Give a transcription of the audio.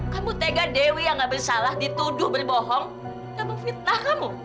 kamu tega dewi yang nggak bersalah dituduh berbohong dan memfitnah kamu